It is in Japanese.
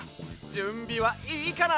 じゅんびはいいかな？